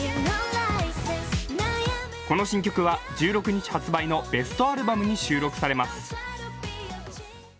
この新曲は１６日発売のベストアルバムに収録されます。